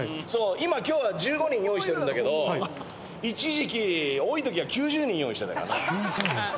今今日は１５人用意してるんだけど一時期多いときは９０人用意してたからね。